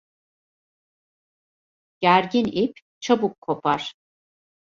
Gergin ip, çabuk kopar.